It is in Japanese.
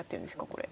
これ。